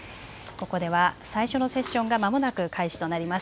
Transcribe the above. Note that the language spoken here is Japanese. ここでは最初のセッションがまもなく開始となります。